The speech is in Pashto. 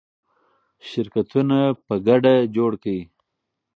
شرکتونه په ګډه جوړ کړئ.